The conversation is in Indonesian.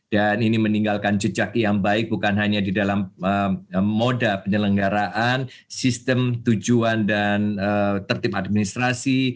dan ini meninggalkan jejak yang baik bukan hanya di dalam moda penyelenggaraan sistem tujuan dan tertib administrasi